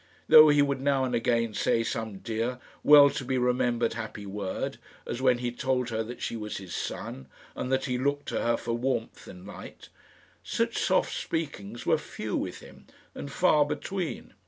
Though he would now and again say some dear, well to be remembered happy word, as when he told her that she was his sun, and that he looked to her for warmth and light, such soft speakings were few with him and far between.